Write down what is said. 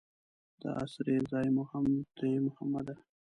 د اسرې ځای مو هم ته یې محمده.